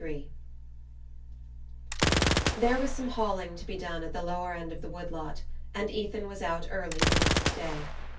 III There was some hauling to be done at the lower end of the wood lot, and Ethan was out early the next day.